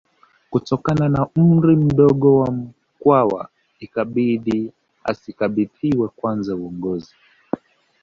Kutokana na umri mdogo wa Mkwawa ikabidi asikabidhiwe kwanza uongozi